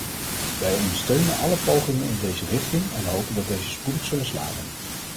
Wij ondersteunen alle pogingen in deze richting en hopen dat deze spoedig zullen slagen.